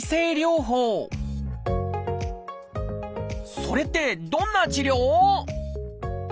それってどんな治療？